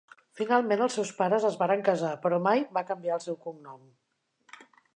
Finalment, els seus pares es varen casar, però mai va canviar el seu cognom.